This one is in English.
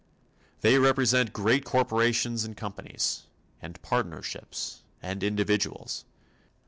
They represent great corporations and companies, and partnerships and individuals.